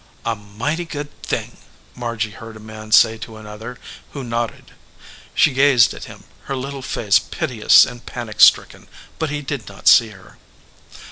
"A mighty good thing," Margy heard a man say to another, who nodded. She gazed at him, her little face piteous and panic stricken, but he did not see her.